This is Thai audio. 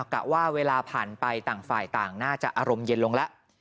กะว่าเวลาผ่านไปต่างฝ่ายต่างน่าจะอารมณ์เย็นลงแล้ว